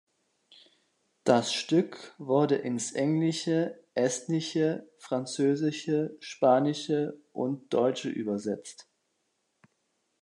Das Stück wurde ins Englische, Estnische, Französische, Spanische und Deutsche übersetzt.